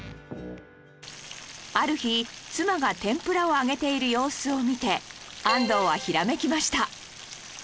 ある日妻が天ぷらを揚げている様子を見て安藤はひらめきました